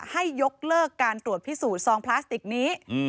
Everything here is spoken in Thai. ให้ยกเลิกการตรวจพิสูจนซองพลาสติกนี้